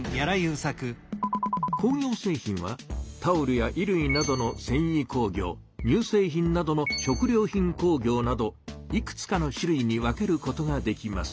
工業製品はタオルや衣類などのせんい工業にゅう製品などの食料品工業などいくつかの種類に分けることができます。